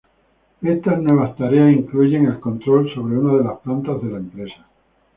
Estas nuevas tareas incluyen el control sobre una de las plantas de la empresa.